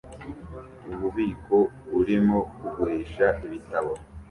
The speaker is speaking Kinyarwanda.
Ububiko burimo kugurisha ibitabo